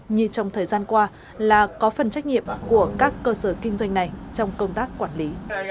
như trong thời gian qua là có phần trách nhiệm của các cơ sở kinh doanh này trong công tác quản lý